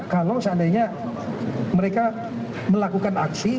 kalau seandainya mereka melakukan aksi